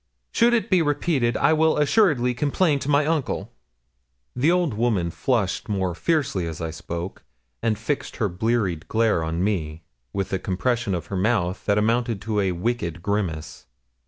Should it be repeated, I will assuredly complain to my uncle.' The old woman flushed more fiercely as I spoke, and fixed her bleared glare on me, with a compression of her mouth that amounted to a wicked grimace.